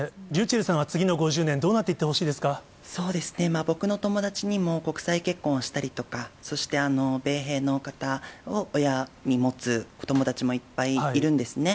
ｒｙｕｃｈｅｌｌさんは次の５０年、どうなっていってほしいですそうですね、僕の友達にも、国際結婚をしたりとか、そして米兵の方を親に持つ子どもたちもいっぱいいるんですね。